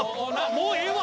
もうええわ！